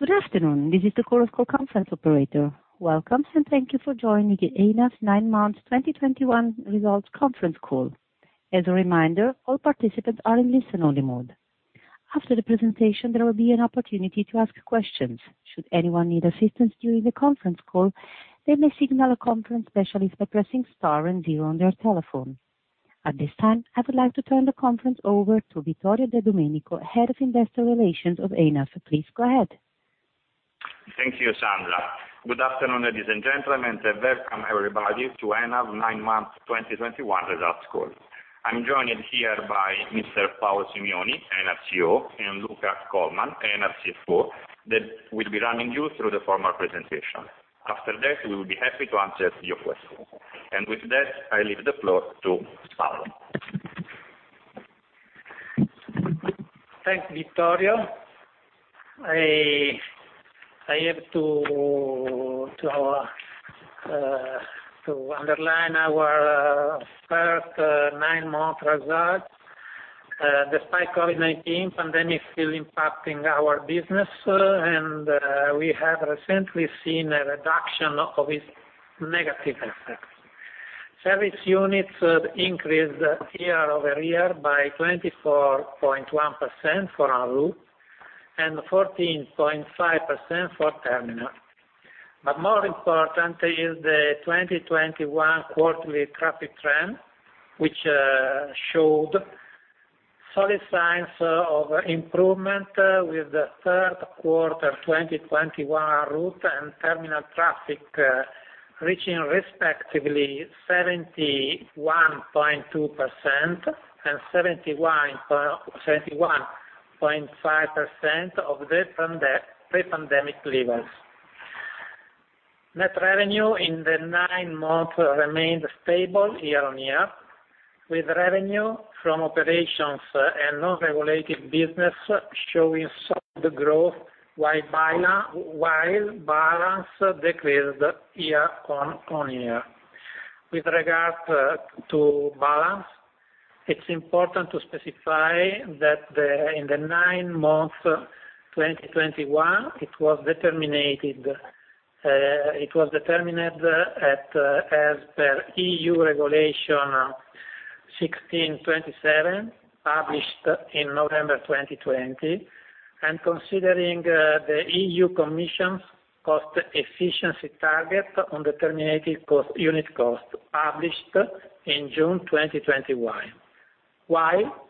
Good afternoon. This is the Chorus Call conference operator. Welcome, and thank you for joining ENAV's nine months 2021 results conference call. As a reminder, all participants are in listen only mode. After the presentation, there will be an opportunity to ask questions. Should anyone need assistance during the conference call, they may signal a conference specialist by pressing star and zero on their telephone. At this time, I would like to turn the conference over to Vittorio De Domenico, Head of Investor Relations of ENAV. Please go ahead. Thank you, Sandra. Good afternoon, ladies and gentlemen, and welcome everybody to ENAV 9 months 2021 results call. I'm joined here by Mr. Paolo Simioni, ENAV CEO; and Luca Colman, ENAV CFO, that will be running you through the formal presentation. After that, we will be happy to answer your questions. With that, I leave the floor to Paolo. Thanks, Vittorio. I have to underline our first nine-month results despite COVID-19 pandemic still impacting our business, and we have recently seen a reduction of its negative effects. Service units increased year-over-year by 24.1% for en route and 14.5% for terminal. More important is the 2021 quarterly traffic trend, which showed solid signs of improvement with the third quarter 2021 en route and terminal traffic reaching respectively 71.2% and 71.5% of the pre-pandemic levels. Net revenue in the nine months remained stable year-on-year, with revenue from operations and non-regulated business showing solid growth, while balance decreased year-on-year. With regard to balance, it's important to specify that in the nine months, 2021, it was determined as per EU Regulation 1627, published in November 2020, and considering the European Commission's cost efficiency target on the terminal cost unit cost, published in June 2021. While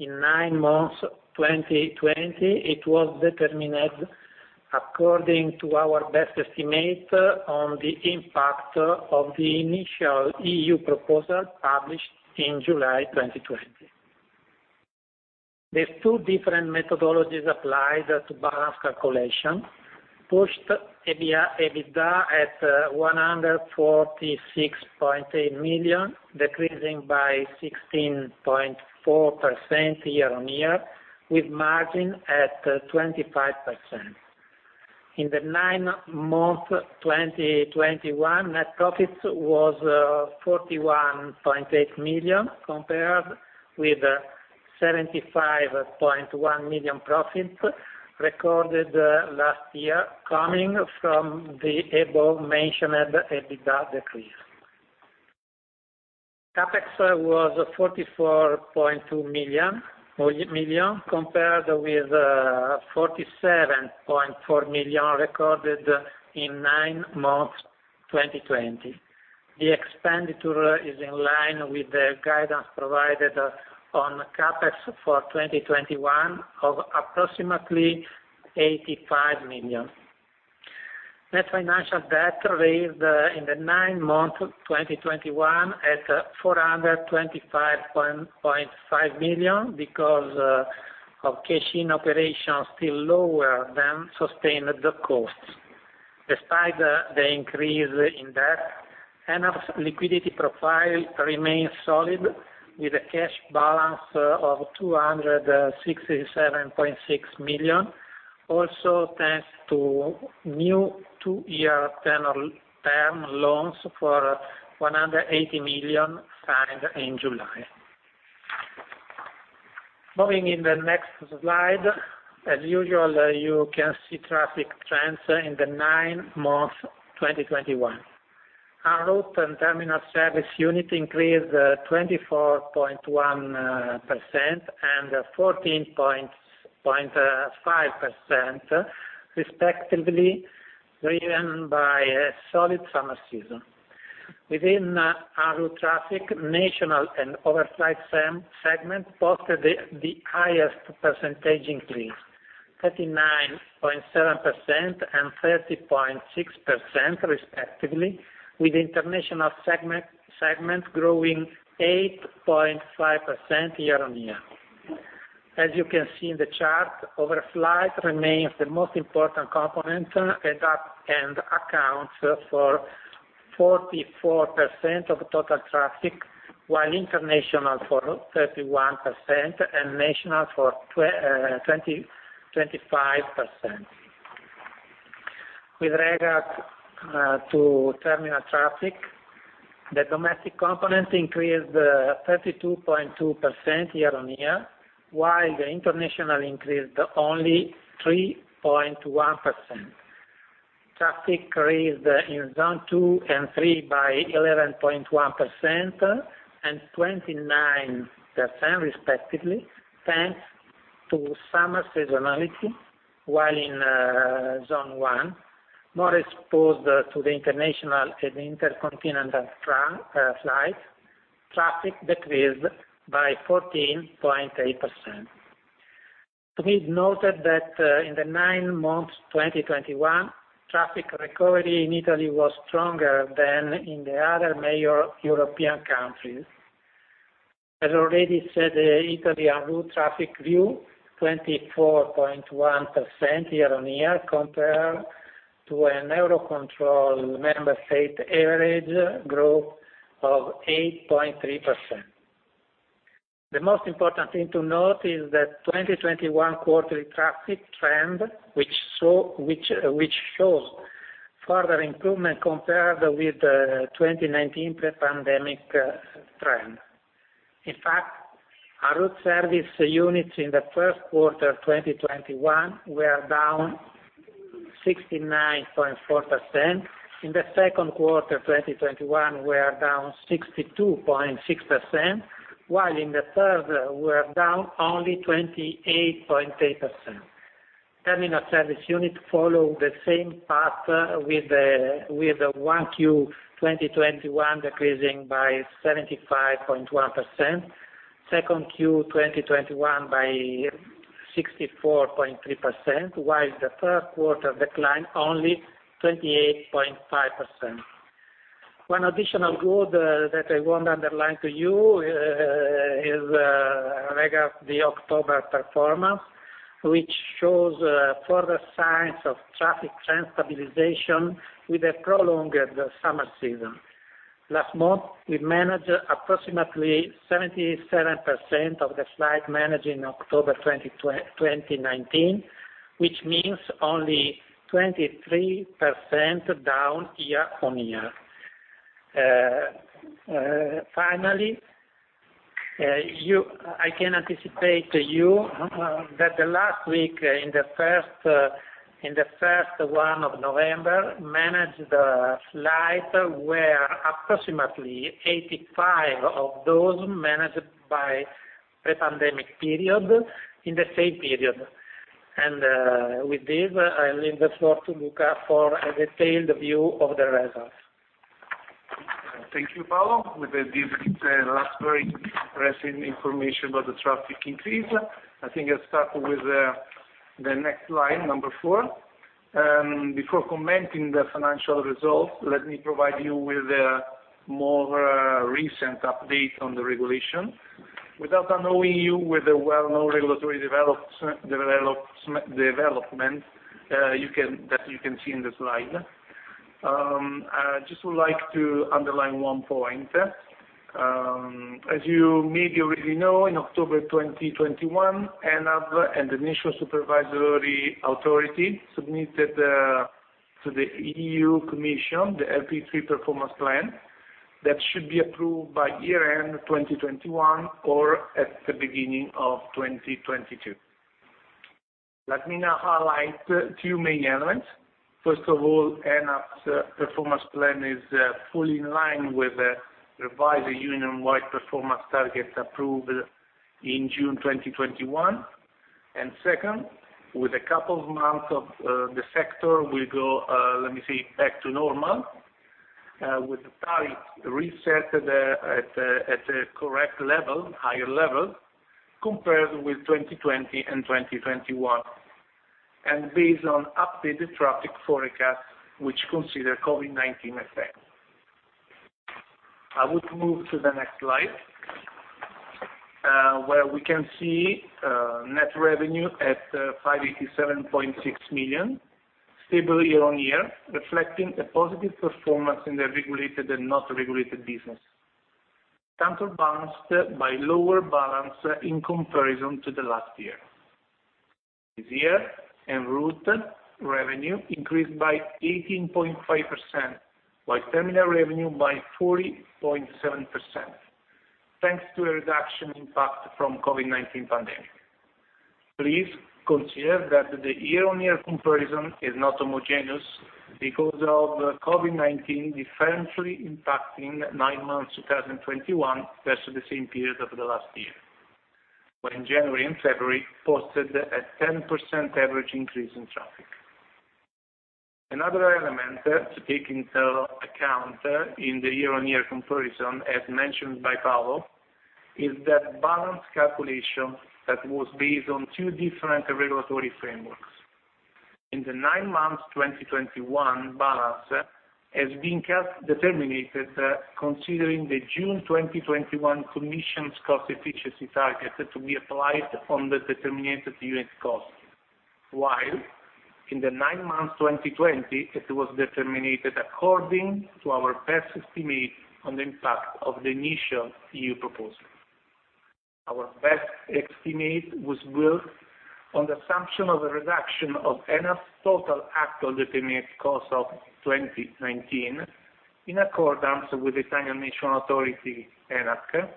in nine months, 2020, it was determined according to our best estimate on the impact of the initial EU proposal published in July 2020. These two different methodologies applied to balance calculation pushed EBITDA at 146.8 million, decreasing by 16.4% year-on-year, with margin at 25%. In the nine months, 2021, net profits was 41.8 million, compared with 75.1 million profits recorded last year, coming from the above-mentioned EBITDA decrease. CapEx was 44.2 million compared with 47.4 million recorded in nine months 2020. The expenditure is in line with the guidance provided on CapEx for 2021 of approximately 85 million. Net financial debt raised in the nine-month 2021 at 425.5 million because of cash in operations still lower than sustained costs. Despite the increase in debt, ENAV's liquidity profile remains solid, with a cash balance of 267.6 million, also thanks to new two-year tenor term loans for 180 million signed in July. Moving in the next slide, as usual, you can see traffic trends in the nine months 2021. En route and terminal service unit increased 24.1% and 14.5% respectively, driven by a solid summer season. Within en route traffic, national and overflight same segment posted the highest percentage increase, 39.7% and 30.6% respectively, with international segment growing 8.5% year-on-year. As you can see in the chart, overflight remains the most important component and accounts for 44% of total traffic, while international for 31% and national for 25%. With regard to terminal traffic, the domestic component increased 32.2% year-on-year, while the international increased only 3.1%. Traffic increased in zone two and three by 11.1% and 29% respectively, thanks to summer seasonality, while in zone one, more exposed to the international and intercontinental flights, traffic decreased by 14.8%. Please note that in the nine months 2021, traffic recovery in Italy was stronger than in the other major European countries. As already said, Italy en route traffic grew 24.1% year-on-year, compared to a Eurocontrol member state average growth of 8.3%. The most important thing to note is that 2021 quarterly traffic trend, which shows further improvement compared with the 2019 pre-pandemic trend. In fact, our en route service units in the first quarter 2021 were down 69.4%. In the second quarter 2021 were down 62.6%, while in the third were down only 28.8%. Terminal service units follow the same path with 1Q 2021 decreasing by 75.1%, 2Q 2021 by 64.3%, while the third quarter declined only 28.5%. One additional growth that I want to underline to you is regarding the October performance, which shows further signs of traffic trend stabilization with a prolonged summer season. Last month, we managed approximately 77% of the flights managed in October 2019, which means only 23% down year-on-year. Finally, I can anticipate to you that the first week of November, managed flights were approximately 85% of those managed in the pre-pandemic period in the same period. With this, I leave the floor to Luca for a detailed view of the results. Thank you, Paolo, with this last very recent information about the traffic increase. I think I'll start with the next slide, number four. Before commenting the financial results, let me provide you with a more recent update on the regulation. Without annoying you with the well-known regulatory development that you can see in the slide, I just would like to underline one point. As you maybe already know, in October 2021, ENAV and the Italian supervisory authority submitted to the European Commission the RP3 performance plan that should be approved by year-end 2021 or at the beginning of 2022. Let me now highlight two main elements. First of all, ENAV's performance plan is fully in line with the revised union-wide performance target approved in June 2021. Second, in a couple of months, the sector will go back to normal, with the tariff reset at the correct level, higher level, compared with 2020 and 2021, and based on updated traffic forecast which consider COVID-19 effect. I would move to the next slide, where we can see net revenue at 587.6 million, stable year-on-year, reflecting a positive performance in the regulated and not regulated business, counterbalanced by lower volume in comparison to the last year. This year, en route revenue increased by 18.5%, while terminal revenue by 40.7%, thanks to a reduced impact from COVID-19 pandemic. Please consider that the year-on-year comparison is not homogeneous because of COVID-19 differently impacting nine months 2021 versus the same period of the last year, when January and February posted a 10% average increase in traffic. Another element to take into account in the year-on-year comparison, as mentioned by Paolo, is that balance calculation that was based on two different regulatory frameworks. In the nine months 2021 balance has been determined, considering the June 2021 Commission's cost efficiency target to be applied on the determined unit cost, while in the nine months 2020, it was determined according to our best estimate on the impact of the initial EU proposal. Our best estimate was built on the assumption of a reduction of ENAV's total actual determined cost of 2019, in accordance with Italian national authority, ENAV,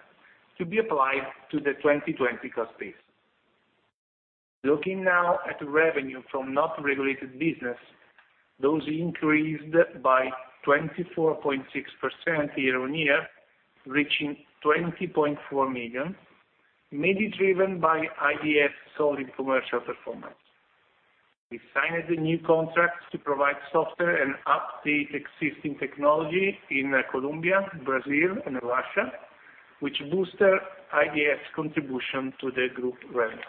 to be applied to the 2020 cost base. Looking now at revenue from non-regulated business, those increased by 24.6% year-on-year, reaching EUR 20.4 million, mainly driven by IDS solid commercial performance. We signed the new contracts to provide software and update existing technology in Colombia, Brazil and Russia, which boosted IDS contribution to the group revenue.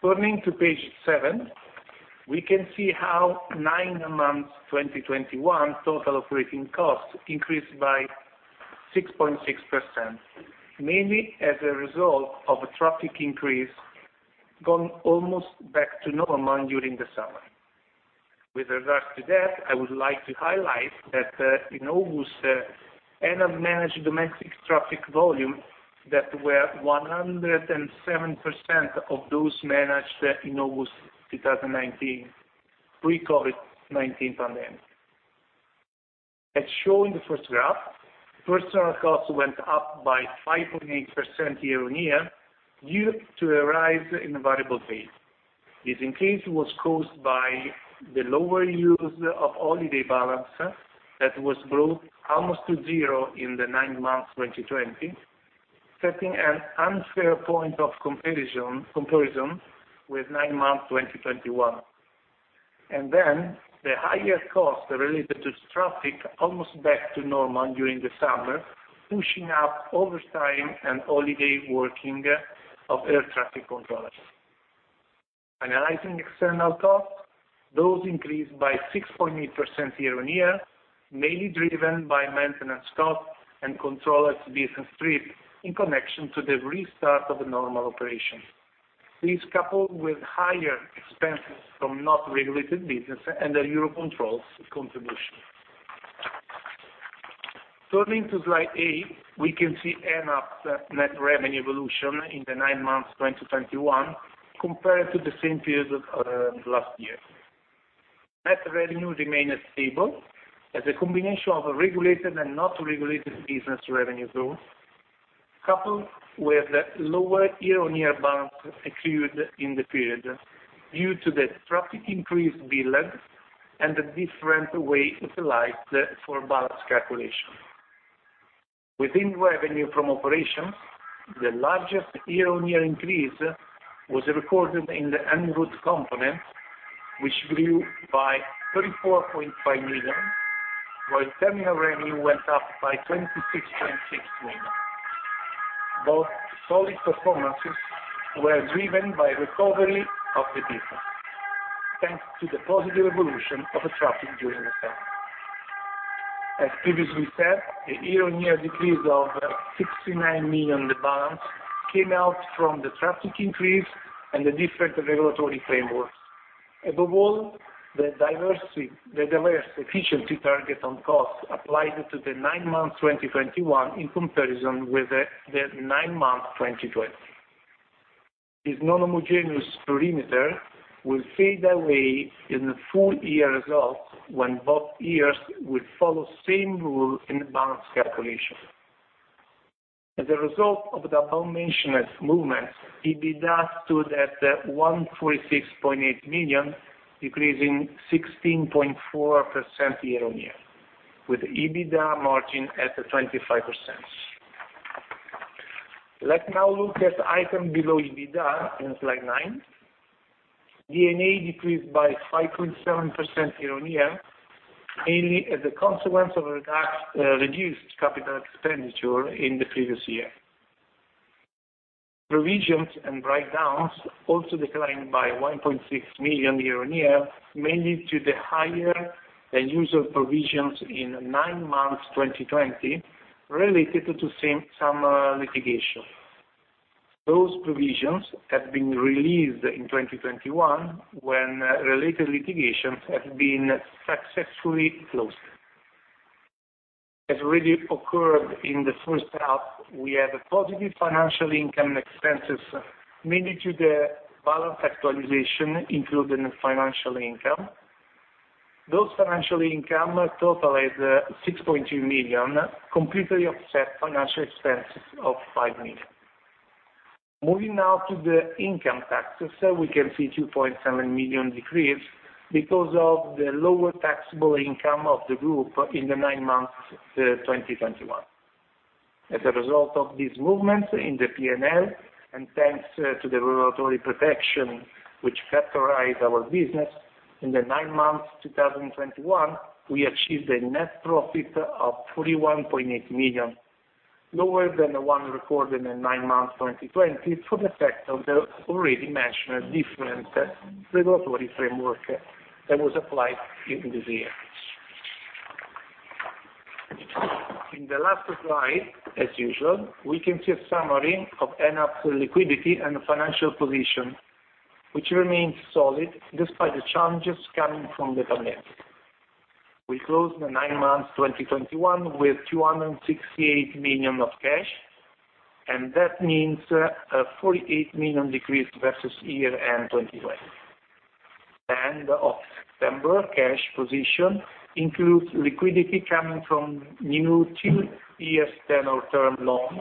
Turning to page seven, we can see how nine months 2021 total operating costs increased by 6.6%, mainly as a result of a traffic increase going almost back to normal during the summer. With regard to that, I would like to highlight that in August, ENAV managed domestic traffic volume that were 107% of those managed in August 2019, pre-COVID-19 pandemic. As shown in the first graph, personnel costs went up by 5.8% year-on-year due to a rise in variable pay. This increase was caused by the lower use of holiday balance that was grown almost to zero in the nine months 2020, setting an unfair point of comparison with nine months 2021. The higher cost related to traffic almost back to normal during the summer, pushing up overtime and holiday working of air traffic controllers. Analyzing external costs, those increased by 6.8% year-on-year, mainly driven by maintenance costs and controllers business trip in connection to the restart of the normal operation. This coupled with higher expenses from non-regulated business and the Eurocontrol contribution. Turning to slide eight, we can see ENAV's net revenue evolution in the nine months 2021 compared to the same period of last year. Net revenue remained stable as a combination of regulated and non-regulated business revenue growth, coupled with lower year-on-year balance accrued in the period due to the traffic increase billed and the different way utilized for balance calculation. Within revenue from operations, the largest year-on-year increase was recorded in the en route component which grew by 34.5 million, while terminal revenue went up by 26.6 million. Both solid performances were driven by recovery of the business, thanks to the positive evolution of traffic during the summer. As previously said, the year-on-year decrease of 69 million balance came out from the traffic increase and the different regulatory frameworks. Above all, the diverse efficiency target on costs applied to the nine months 2021 in comparison with the nine months 2020. This non-homogeneous perimeter will fade away in the full year results when both years will follow same rule in the balance calculation. As a result of the abovementioned movements, EBITDA stood at 146.8 million, decreasing 16.4% year-on-year, with EBITDA margin at 25%. Let's now look at items below EBITDA in slide nine. D&A decreased by 5.7% year-on-year, mainly as a consequence of reduced capital expenditure in the previous year. Provisions and write-downs also declined by 1.6 million year-on-year, mainly due to the higher than usual provisions in nine months, 2020 related to same summer litigation. Those provisions have been released in 2021 when related litigations have been successfully closed. As already occurred in the first half, we have a positive financial income and expenses mainly due to the balance actualization, including the financial income. Those financial income total is 6.2 million, completely offset financial expenses of 5 million. Moving now to the income taxes, we can see 2.7 million decrease because of the lower taxable income of the group in the nine months, 2021. As a result of these movements in the P&L and thanks to the regulatory protection which characterizes our business, in the nine months 2021, we achieved a net profit of 41.8 million, lower than the one recorded in nine months 2020 for the effect of the already mentioned different regulatory framework that was applied in this year. In the last slide, as usual, we can see a summary of ENAV's liquidity and financial position, which remains solid despite the challenges coming from the pandemic. We closed the nine months 2021 with 268 million of cash, and that means a 48 million decrease versus year-end 2020. As of September, cash position includes liquidity coming from new two-year tenor term loan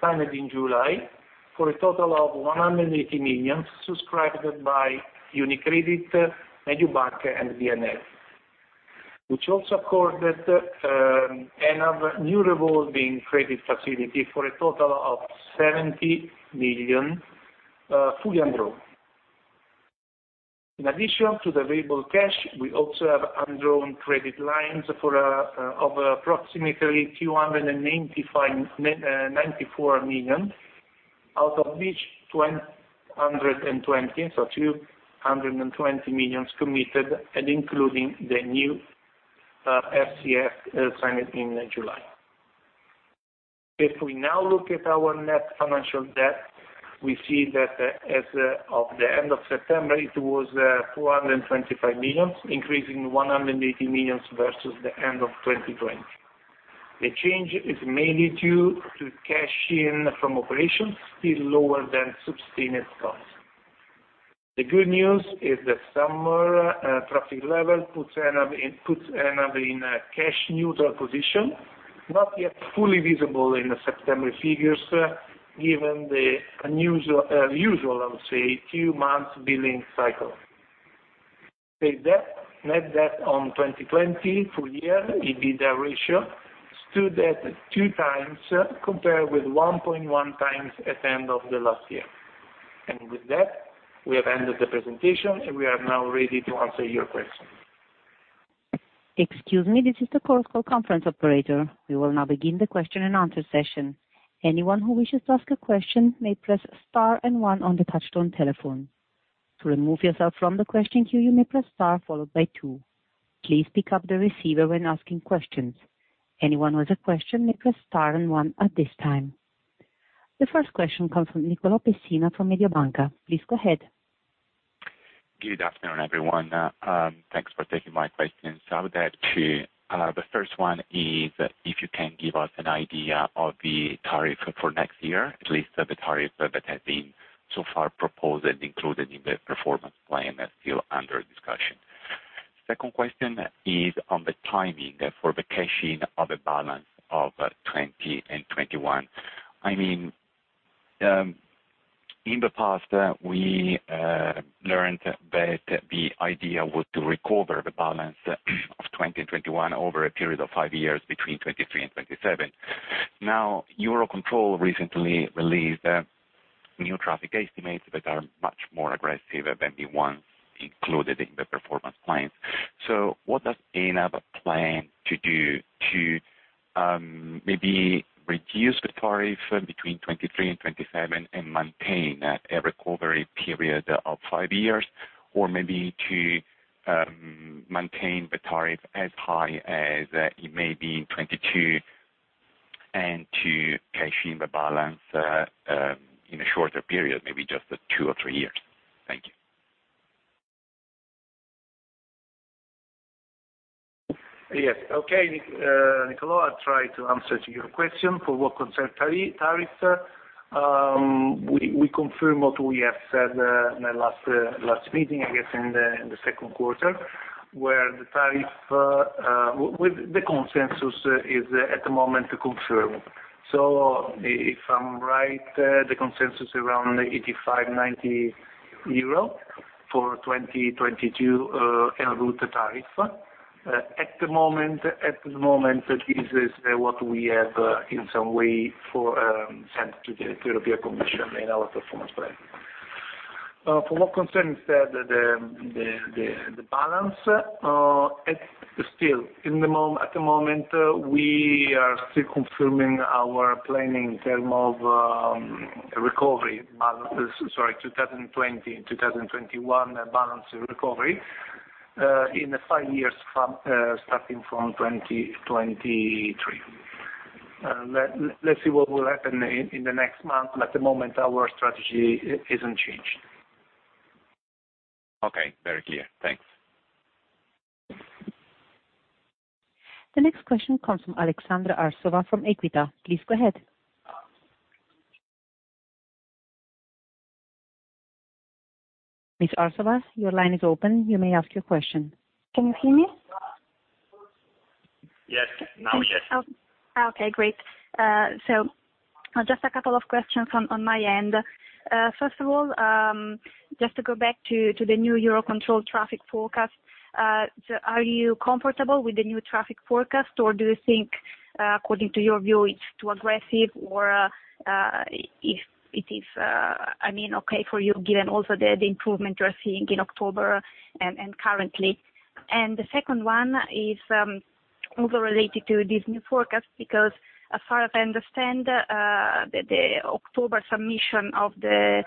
signed in July for a total of 180 million subscribed by UniCredit, Mediobanca, and BNP. Which also accorded ENAV a new revolving credit facility for a total of 70 million, fully undrawn. In addition to the available cash, we also have undrawn credit lines of approximately 294 million, out of which 220 million committed and including the new RCF signed in July. If we now look at our net financial debt, we see that as of the end of September, it was 425 million, increasing 180 million versus the end of 2020. The change is mainly due to cash in from operations still lower than sustained costs. The good news is that summer traffic level puts ENAV in a cash neutral position, not yet fully visible in the September figures, given the unusual, I would say, two months billing cycle. The net debt on 2020 full year EBITDA ratio stood at 2x compared with 1.1x at the end of the last year. With that, we have ended the presentation, and we are now ready to answer your questions. Excuse me. This is the Chorus Call conference operator. We will now begin the question and answer session. Anyone who wishes to ask a question may press star and one on the touchtone telephone. To remove yourself from the question queue, you may press star followed by two. Please pick up the receiver when asking questions. Anyone with a question, may press star and one at this time. The first question comes from Nicolò Pessina from Mediobanca. Please go ahead. Good afternoon, everyone. Thanks for taking my questions. The first one is if you can give us an idea of the tariff for next year, at least the tariff that has been so far proposed and included in the performance plan that's still under discussion. Second question is on the timing for the cashing of the balance of 2020 and 2021. I mean, in the past, we learned that the idea was to recover the balance of 2021 over a period of five years between 2023 and 2027. Now, Eurocontrol recently released new traffic estimates that are much more aggressive than the ones included in the performance plans. What does ENAV plan to do to maybe reduce the tariff between 2023 and 2027 and maintain a recovery period of five years? Maybe to maintain the tariff as high as it may be in 2022 and to cash in the balance in a shorter period, maybe just two or three years? Thank you. Yes. Okay. Nicolò, I'll try to answer your question. For what concerns tariff, we confirm what we have said in the last meeting, I guess, in the second quarter, where the tariff with the consensus is at the moment confirmed. If I'm right, the consensus around 85-90 euro for 2022 en route tariff. At the moment, this is what we have, in some way forwarded to the European Commission in our performance plan. For what concerns the balance, it's still at the moment, we are still confirming our planning in terms of recovery 2020 and 2021 balance recovery in five years starting from 2023. Let's see what will happen in the next month, but at the moment our strategy isn't changed. Okay. Very clear. Thanks. The next question comes from Aleksandra Arsova from Equita. Please go ahead. Ms. Arsova, your line is open. You may ask your question. Can you hear me? Yes. Now, yes. Okay, great. Just a couple of questions on my end. First of all, just to go back to the new Eurocontrol traffic forecast, are you comfortable with the new traffic forecast, or do you think, according to your view, it's too aggressive, or if it is, I mean, okay for you given also the improvement you're seeing in October and currently? The second one is also related to this new forecast because as far as I understand, the October submission of the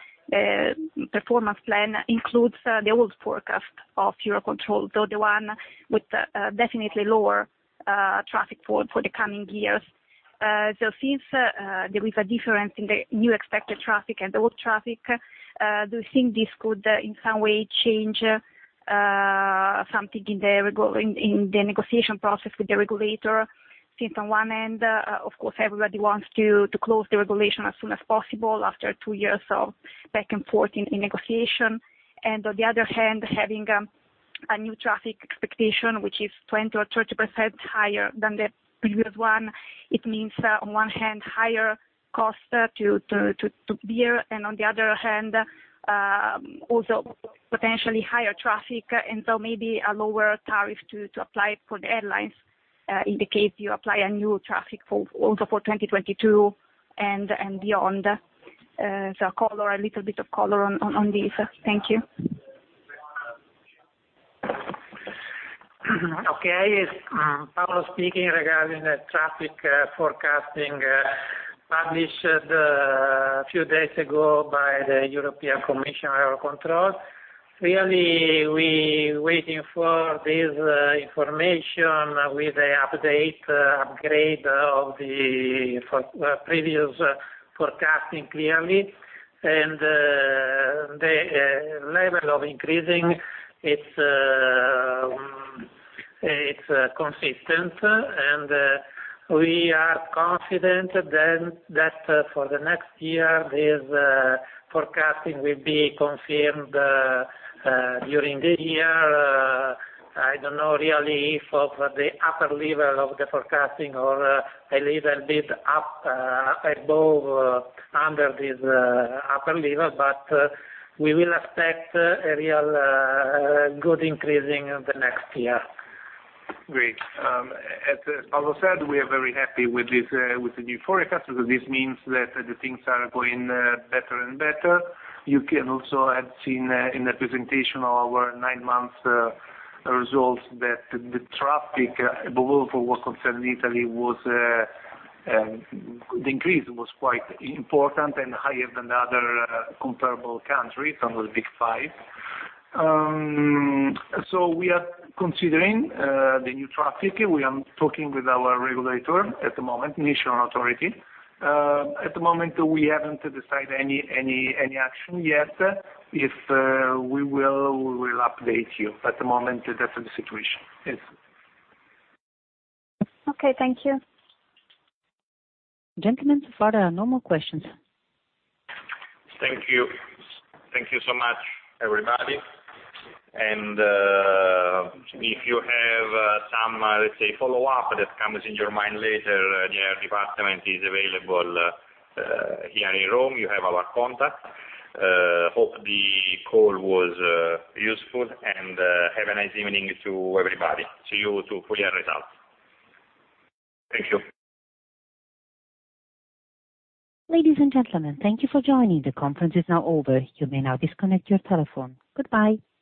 performance plan includes the old forecast of Eurocontrol, the one with definitely lower traffic for the coming years. So since there is a difference in the new expected traffic and the old traffic, do you think this could in some way change something in the negotiation process with the regulator? Since on one hand, of course everybody wants to close the regulation as soon as possible after two years of back and forth in negotiation. On the other hand, having a new traffic expectation, which is 20 or 30% higher than the previous one, it means on one hand higher cost to bear, and on the other hand also potentially higher traffic, and so maybe a lower tariff to apply for the airlines, in the case you apply a new traffic for also for 2022 and beyond. Color, a little bit of color on this. Thank you. Okay. It's Paolo speaking regarding the traffic forecasting published a few days ago by the Eurocontrol. Really we waiting for this information with the update upgrade of the previous forecasting clearly. The level of increasing it's consistent, and we are confident then that for the next year this forecasting will be confirmed during the year. I don't know really if it's the upper level of the forecasting or a little bit up above or under this upper level, but we will expect a real good increasing the next year. Great. As Paolo said, we are very happy with this with the new forecast because this means that the things are going better and better. You can also have seen in the presentation of our nine months results that the traffic above all for what concerned Italy was the increase was quite important and higher than the other comparable countries under the Big Five. We are considering the new traffic. We are talking with our regulator at the moment, national authority. At the moment we haven't decided any action yet. If we will update you, but at the moment that's the situation. Yes. Okay, thank you. Gentlemen, so far there are no more questions. Thank you. Thank you so much, everybody. If you have some, let's say, follow-up that comes to your mind later, the IR department is available here in Rome. You have our contact. I hope the call was useful. Have a nice evening, everybody. See you for full year results. Thank you. Ladies and gentlemen, thank you for joining. The conference is now over. You may now disconnect your telephone. Goodbye.